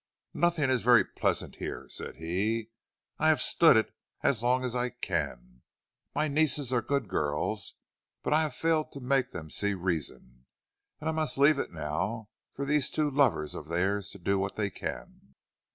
"Nothing is very pleasant here," said he. "I have stood it as long as I can. My nieces are good girls, but I have failed to make them see reason, and I must leave it now to these two lovers of theirs to do what they can."